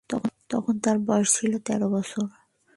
তখন তার বয়স ছিল তের বছর।